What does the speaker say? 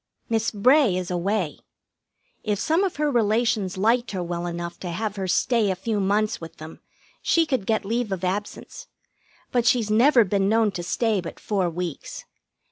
Miss Bray is away. If some of her relations liked her well enough to have her stay a few months with them, she could get leave of absence; but she's never been known to stay but four weeks.